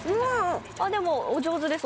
・あっでもお上手です